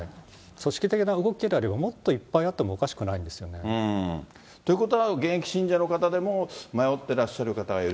組織的な動きであれば、もっといっぱいあってもおかしくないんですよね。ということは現役信者の方でも迷ってらっしゃる方がいる。